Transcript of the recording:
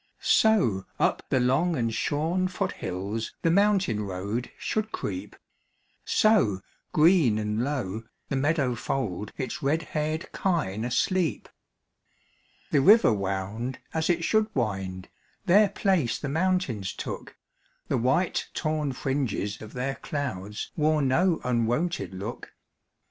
So up the long and shorn foot hills The mountain road should creep; So, green and low, the meadow fold Its red haired kine asleep. The river wound as it should wind; Their place the mountains took; The white torn fringes of their clouds Wore no unwonted look.